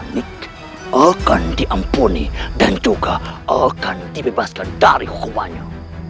tidak ada yang bisa dibebaskan dari hukumannya